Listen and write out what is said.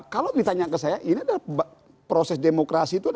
kalau ditanya ke saya ini adalah proses demokrasi itu adalah